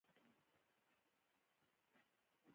دغه کوټ په لومړیو کې د پسه په شا وړۍ وې.